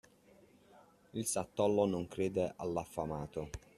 Il satollo non crede all'affamato.